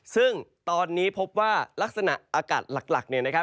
ซึ่งตอนนี้พบว่าลักษณะอากาศหลักเนี่ยนะครับ